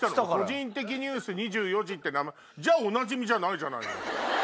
個人的ニュース２４時って名前、じゃあ、おなじみじゃないじゃないのよ。